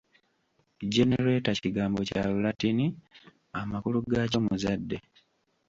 Generator kigambo kya Lulatini amakulu gaakyo muzadde.